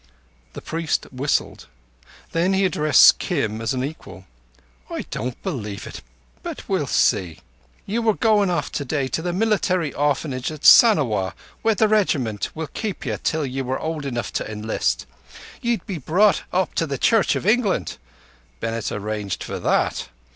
The priest whistled; then he addressed Kim as an equal. "I don't believe it; but we'll see. You were goin' off today to the Military Orphanage at Sanawar, where the Regiment would keep you till you were old enough to enlist. Ye'd be brought up to the Church of England. Bennett arranged for that.